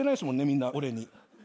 みんな俺に今日。